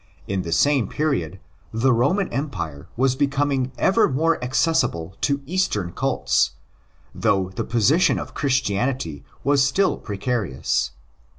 In the same period the Roman Empire was becoming ever more accessible to Eastern cults; though the position of Christianity was still preca rious.